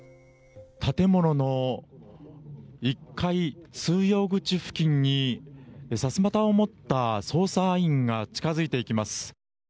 建物の１階通用口付近にさすまたを持った捜査員が近づいていきます。